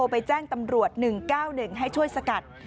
ไปแจ้งตำรวจ๑๙๑ให้ช่วยสกัด